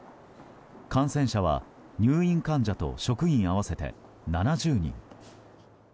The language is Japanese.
感染者は、入院患者と職員合わせて７０人。